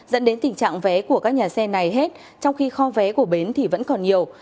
dẫn đến tình trạng vé của các nhà xe này hết trong khi kho vé của bến thì vẫn còn nhiều